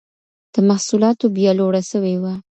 د محصولاتو بيه لوړه سوي وه.